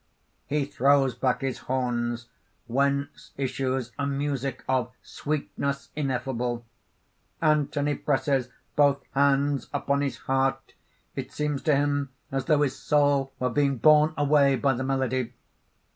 (He throws back his horns, whence issues a music of sweetness ineffable. _Anthony presses both hands upon his heart. It seems to him as though his soul were being borne away by the melody.